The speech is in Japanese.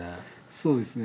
そうですね。